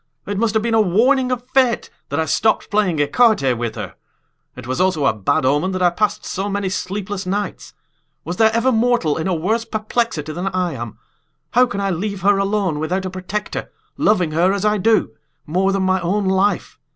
It must have been a warning of fate that I stopped playing écarté with her. It was also a bad omen that I passed so many sleepless nights. Was there ever mortal in a worse perplexity than I am? How can I leave her alone without a protector, loving her, as I do, more than my own life?